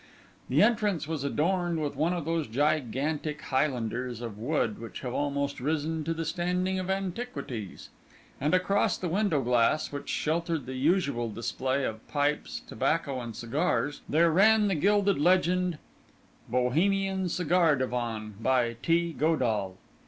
The entrance was adorned with one of those gigantic Highlanders of wood which have almost risen to the standing of antiquities; and across the window glass, which sheltered the usual display of pipes, tobacco, and cigars, there ran the gilded legend: 'Bohemian Cigar Divan, by T. Godall.